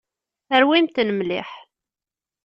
Rwimt-ten mliḥ.